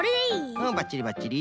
うんばっちりばっちり。